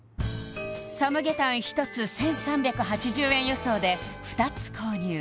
サムゲタン１つ１３８０円予想で２つ購入